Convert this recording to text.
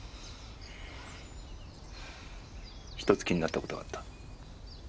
一つ気になった事があった。